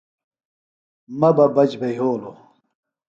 مہ بہ بچ بھےۡ یھولوۡ